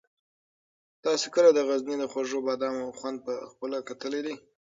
تاسو کله د غزني د خوږو بادامو خوند په خپله کتلی دی؟